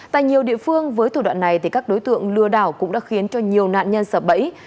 tại nhiều địa phương với thủ đoạn này các đối tượng lừa đảo cũng đã khiến cho nhiều nạn nhân sập bẫy